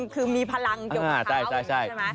คือมีพลังหยกขาวใช่ไหม